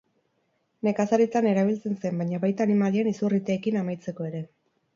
Nekazaritzan erabiltzen zen, baina baita animalien izurriteekin amaitzeko ere.